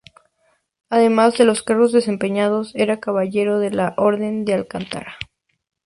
Además de los cargos desempeñados, era caballero de la Orden de Alcántara.